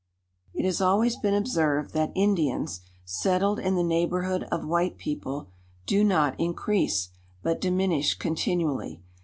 "It has always been observed, that Indians, settled in the neighbourhood of white people, do not increase, but diminish continually.